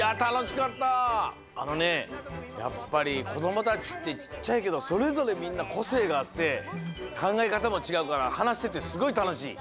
やっぱりこどもたちってちっちゃいけどそれぞれみんなこせいがあってかんがえかたもちがうからはなしててすごいたのしい。